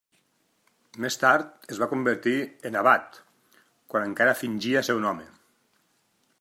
Més tard es va convertir en abat, quan encara fingia ser un home.